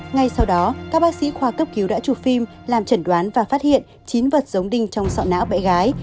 ngay sau đó các bác sĩ khoa cấp cứu đã chụp phim làm chẩn đoán và phát hiện chín vật giống đinh trong sọ não bé gái